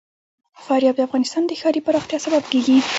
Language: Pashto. فاریاب د افغانستان د ښاري پراختیا سبب کېږي.